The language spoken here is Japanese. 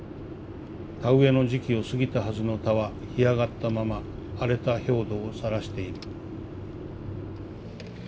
田植えの時期を過ぎたはずの田は干上がったまま荒れた表土をさらしている」。